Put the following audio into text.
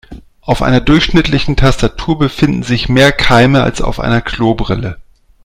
Auf einer durchschnittlichen Tastatur befinden sich mehr Keime als auf einer Klobrille.